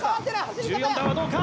１４段はどうか？